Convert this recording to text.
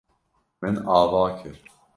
Min ava kir.